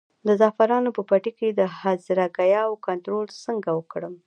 د زعفرانو په پټي کې د هرزه ګیاوو کنټرول څنګه وکړم؟